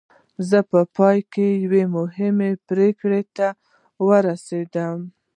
زه په پای کې یوې مهمې پرېکړې ته ورسېدم